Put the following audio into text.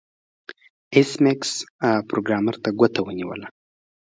ایس میکس پروګرامر ته ګوته ونیوله